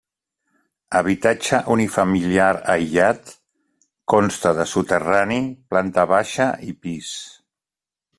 Habitatge unifamiliar aïllat, consta de soterrani, planta baixa i pis.